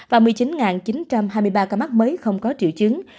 và một mươi chín chín trăm hai mươi ba ca mắc mới không có triệu chứng